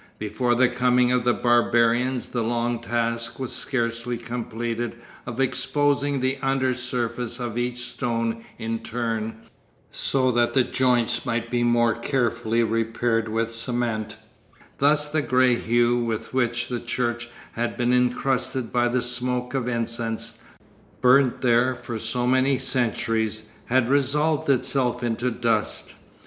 Before the coming of the barbarians, the long task was scarcely completed of exposing the under surface of each stone in turn, so that the joints might be more carefully repaired with cement; thus the grey hue with which the church had been encrusted by the smoke of incense, burnt there for so many centuries, had resolved itself into dust.